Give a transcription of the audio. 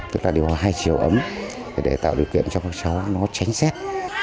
tức là điều hòa hai chiều ấm để tạo điều kiện cho các cháu nó tránh xét